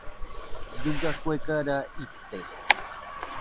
Dɨga kuega raa ite.